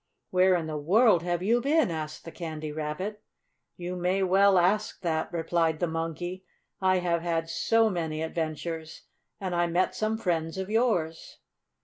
"Where in the world have you been?" asked the Candy Rabbit. "You may well ask that," replied the Monkey. "I have had so many adventures, and I met some friends of yours."